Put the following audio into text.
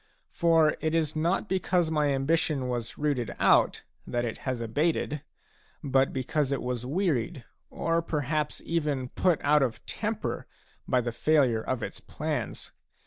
For it is not because my ambition was rooted out that it has abated, but because it was wearied or perhaps even put out of temper by the failure of its plans.